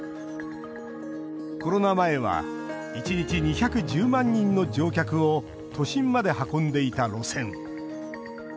コロナ前は１日２１０万人の乗客を都心まで運んでいた路線。